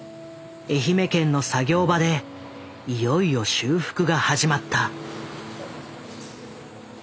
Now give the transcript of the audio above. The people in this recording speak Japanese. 愛媛県の作業場でいよいよ修復が始まった。